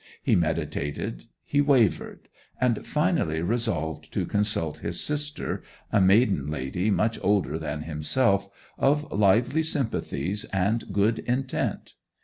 He meditated, he wavered; and finally resolved to consult his sister, a maiden lady much older than himself, of lively sympathies and good intent.